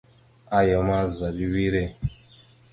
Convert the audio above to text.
Aya ma, zal a wire.